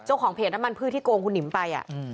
เจ้าของเพจน้ำมันพืชที่โกงคุณหนิมไป